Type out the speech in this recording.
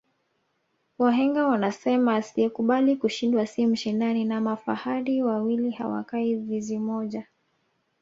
wahenga wanasema asiyekubali kushindwa si mshindani na mafahari wawili awakai zizi moja